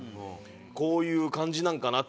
こういう感じなんかなって。